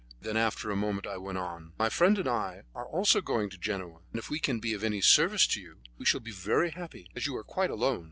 Then after a moment I went on: "My friend and I are also going to Genoa, and if we can be of any service to you, we shall be very happy, as you are quite alone."